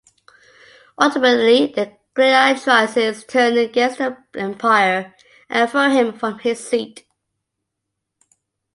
Ultimately the gladiatrices turn against the emperor and throw him from his seat.